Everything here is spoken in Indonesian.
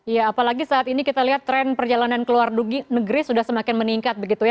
ya apalagi saat ini kita lihat tren perjalanan keluar negeri sudah semakin meningkat